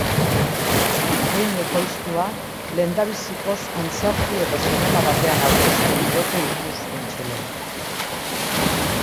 Behin ekoiztua, lehendabizikoz antzerki edo zinema batean aurkezten diote ikus-entzuleei.